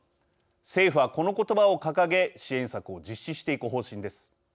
政府はこの言葉を掲げ支援策を実施していく方針です。